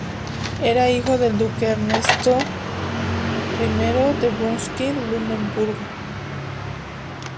Era hijo del duque Ernesto I de Brunswick-Luneburgo.